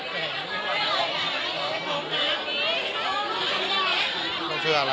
พี่บี้อยู่ไหม